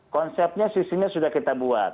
konsepnya sistemnya sudah kita buat